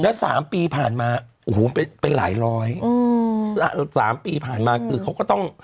แล้วสามปีผ่านมาโอ้โหเป็นไปหลายร้อยอืมสามปีผ่านมาคือเขาก็ต้อง